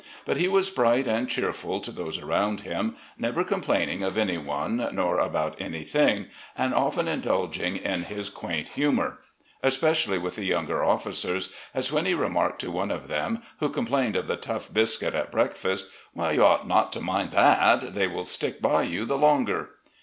But he was bright and cheerful to those around him, never complaining of any one nor about anything, and often indulging in his quaint humour, especially with the younger officers, as when he remarked to one of them, who complained of the tough biscuit at breakfast :" You ought not to mind that ; they will stick by you the longer